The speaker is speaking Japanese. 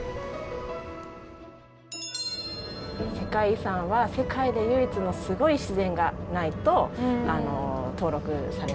世界遺産は世界で唯一のすごい自然がないと登録されないんですね。